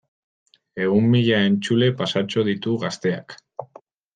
Ehun mila entzule pasatxo ditu Gazteak.